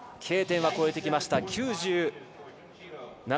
Ｋ点は越えてきました。